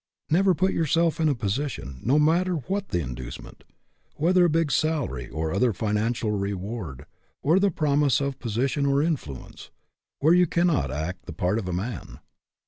Never put yourself in a position, no matter what the inducement whether a big salary or other financial reward, or the promise of posi tion or influence, where you cannot act the part of a man.